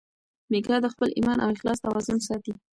میکا د خپل ایمان او اخلاص توازن ساتي.